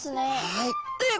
はい。